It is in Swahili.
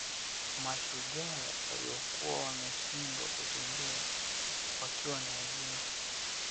Mashujaa waliokuwa wameshindwa kutembea wakiwa ni wazee